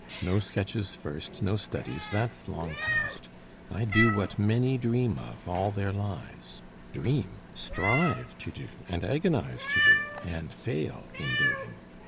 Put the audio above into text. No sketches first, no studies, that's long past: I do what many dream of, all their lives Dream? strive to do, and agonize to do, And fail in doing.